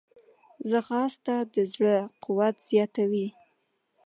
ځغاسته د زړه قوت زیاتوي